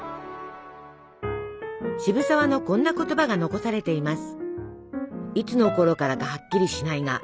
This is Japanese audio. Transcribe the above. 渋沢のこんな言葉が残されています。